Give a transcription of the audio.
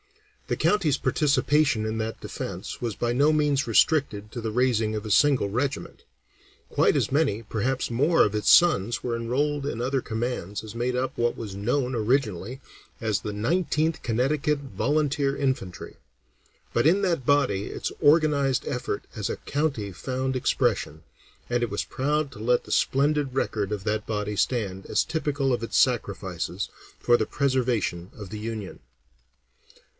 The county's participation in that defence was by no means restricted to the raising of a single regiment. Quite as many, perhaps more, of its sons were enrolled in other commands as made up what was known originally as the Nineteenth Connecticut Volunteer Infantry; but in that body its organized effort as a county found expression, and it was proud to let the splendid record of that body stand as typical of its sacrifices for the preservation of the Union.